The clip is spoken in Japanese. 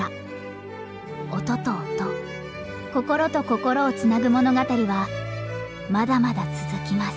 音と音心と心をつなぐ物語はまだまだ続きます。